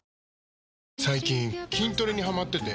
最近筋トレにハマってて。